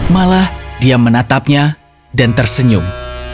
malah dia menatapnya dan tersenyum